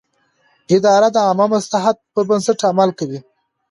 اداره د عامه مصلحت پر بنسټ عمل کوي.